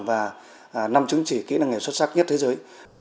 và năm chứng chỉ kỹ năng nghề xuất sắc nhất thế giới